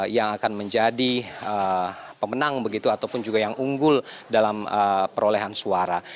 yang akan menjadi pemenang begitu ataupun juga yang unggul dalam perolehan suara